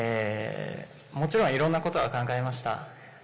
もちろんいろんなことは考えました。